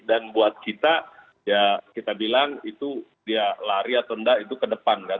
buat kita ya kita bilang itu dia lari atau enggak itu ke depan kan